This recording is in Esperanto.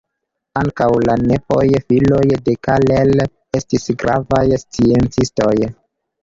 Ankaŭ la nepoj, filoj de Karel, estis gravaj sciencistoj.